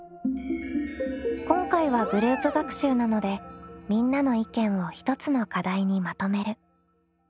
今回はグループ学習なのでみんなの意見を１つの課題にまとめる。